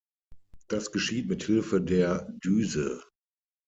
Das geschieht mit Hilfe der Düse.